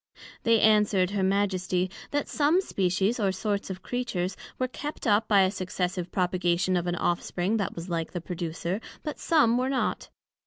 They answered, her Majesty, That some Species or sorts of Creatures, were kept up by a successive propagation of an offspring that was like the producer, but some were not.